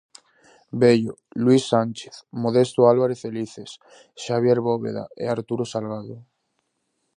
Bello, Luís Sánchez, Modesto Álvarez Elices, Xavier Bóveda e Arturo Salgado.